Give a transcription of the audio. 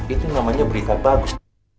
itu namanya berita bagus